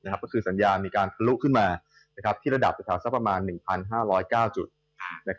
ก็คือสัญญาณมีการทะลุขึ้นมาที่ระดับประจำหนึ่งพันห้าร้อยเก้าจุด